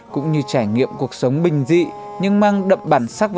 cũng như trải nghiệm cuộc sống bình dị nhưng mang đậm bản sắc